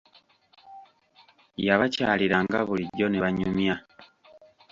Yabakyaliranga bulijjo ne banyumya.